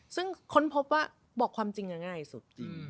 ซึ่งค้นพบว่าบอกความจริงง่ายสุดจริง